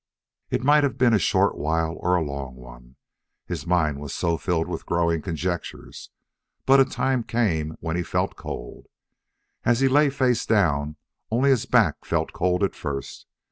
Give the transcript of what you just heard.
It might have been a short while or a long one, his mind was so filled with growing conjectures, but a time came when he felt cold. As he lay face down, only his back felt cold at first.